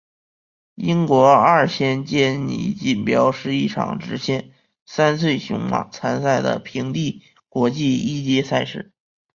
英国二千坚尼锦标是一场只限三岁雄马参赛的平地国际一级赛事。